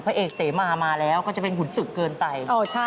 เอกเสมามาแล้วก็จะเป็นขุนศึกเกินไป